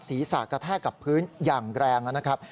ศีรษะกระแทกกับพื้นอย่างแรงนะครับ